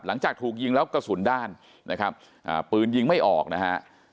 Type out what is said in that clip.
หลังจากถูกยิงแล้วกระสุนด้านนะครับปืนยิงไม่ออกนะฮะ